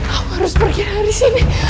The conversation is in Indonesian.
aku harus pergi dari sini